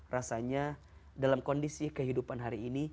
rasanya dalam kondisi kehidupan hari ini